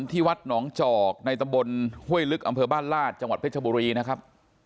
ที่วัดหนองจอกในตำบลเฮ้ยลึกอำเภอบ้านลาชจังหวัดเฮปถลักษณ์บรีนะครับ